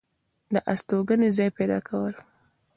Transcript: دا ستوګنې ځاے پېدا كول